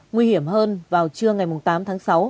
nguy hiểm hơn vào trưa ngày tám tháng sáu